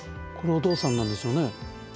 これお父さんなんでしょうね。